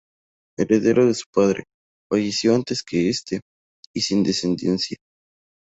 Heredero de su padre, falleció antes que este y sin descendencia.